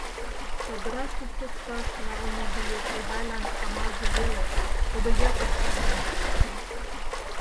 Чодыра шупшыкташ налме билет Эвайлан амалже веле, тудо ятыр чодырам шолыштын.